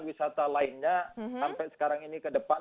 wisata lainnya sampai sekarang ini ke depan